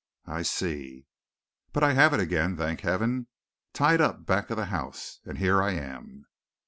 "I see." "But I have it again, thank heaven, tied up back of the house, and here I am."